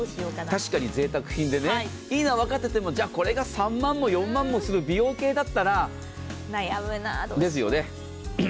確かにぜいたく品で、いいなと分かっていても、じゃこれが３万も４万もする美容系だったら悩むな、ですよね。